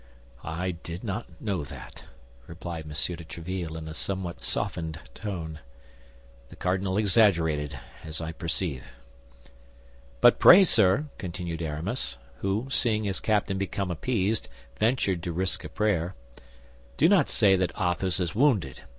"I did not know that," replied M. de Tréville, in a somewhat softened tone. "The cardinal exaggerated, as I perceive." "But pray, sir," continued Aramis, who, seeing his captain become appeased, ventured to risk a prayer, "do not say that Athos is wounded.